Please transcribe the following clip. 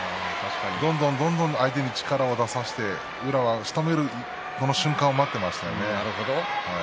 どんどんどんどん相手に力を出させて宇良はしとめる瞬間を待っていましたよね。